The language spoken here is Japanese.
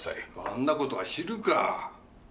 そんなことは知るか。